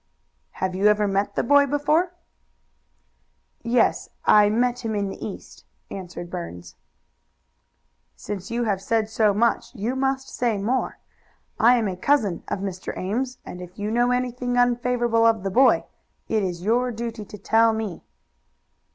"Have you ever met the boy before?" "Yes; I met him in the East," answered Burns. "Since you have said so much you must say more. I am a cousin of Mr. Ames, and if you know anything unfavorable of the boy, it is your duty to tell me."